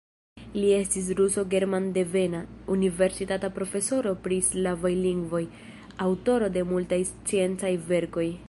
Li estis ruso germandevena, universitata profesoro pri slavaj lingvoj, aŭtoro de multaj sciencaj verkoj.